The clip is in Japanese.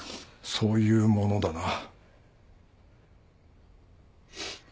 そういうものだな。